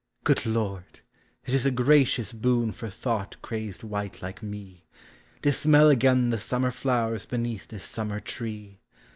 Good Lord ! it is a gracious boon for thought crazed wight like me, To smell again the summer flowers beneath this summer tree